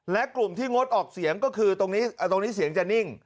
และกลุ่มที่งดออกเสียงก็คือตรงนี้เสียงจะนิ่ง